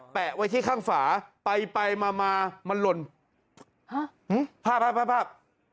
ไว้ที่ข้างฝาไปไปมามามันหล่นภาพภาพ